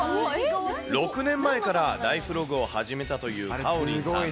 ６年前からライフログを始めたというかおりんさん。